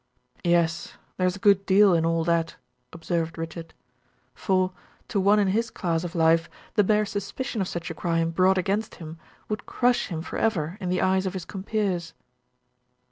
"Yes, there's a good deal in all that," observed Richard. "For, to one in his class of life, the bare suspicion of such a crime, brought against him, would crush him forever in the eyes of his compeers."